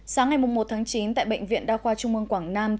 sáng ngày một tháng chín tại bệnh viện đa khoa trung mương quảng nam